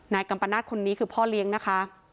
นายกรรมนาสคนนี้คือพ่อเลี้ยงนะคะ